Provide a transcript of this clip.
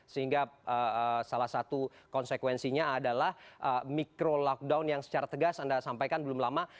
sehingga salah satu konsekuensinya adalah mikro lockdown yang secara tegas anda sampaikan belum lama